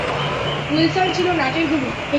Wilson ছিল নাটের গুরু।